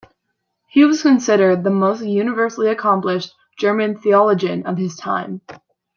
He was considered the most universally accomplished German theologian of his time.